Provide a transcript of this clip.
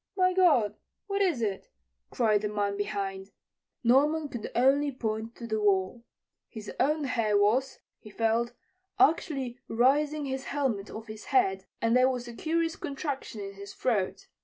"My God! what is it?" cried the man behind. Norman could only point to the wall. His own hair was, he felt, actually raising his helmet off his head, and there was a curious contraction in his throat.